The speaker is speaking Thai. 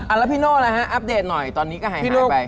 อ่ะแล้วพี่โน่อะไรฮะอัปเดตหน่อยตอนนี้ก็หายไป